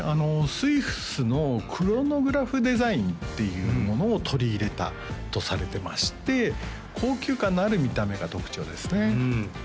スイスのＣｈｒｏｎｏｇｒａｐｈデザインっていうものを取り入れたとされてまして高級感のある見た目が特徴ですね